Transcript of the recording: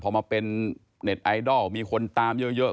พอมาเป็นเน็ตไอดอลมีคนตามเยอะ